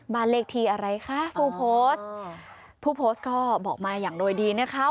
บ้านเลขที่อะไรคะผู้โพสต์ผู้โพสต์ก็บอกมาอย่างโดยดีนะคะ